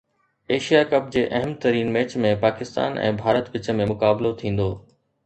Asia cup جي اهم ترين ميچ ۾ پاڪستان ۽ ڀارت وچ ۾ مقابلو ٿيندو